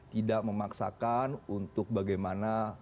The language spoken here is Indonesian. tidak memaksakan untuk bagaimana